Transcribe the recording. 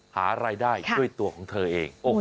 หารายได้ช่วยตัวของเธอเอง